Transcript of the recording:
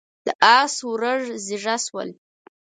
د اس ورږ زيږه شول.